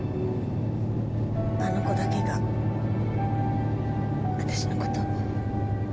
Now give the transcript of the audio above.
あの子だけがわたしのこと。